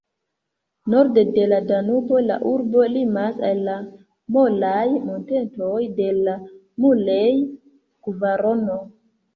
Norde de la Danubo la urbo limas al la molaj montetoj de la Mulej-kvarono.